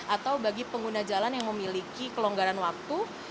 atau bagi pengguna jalan yang memiliki kelonggaran waktu